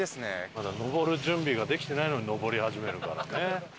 まだ上る準備ができてないのに上り始めるからね。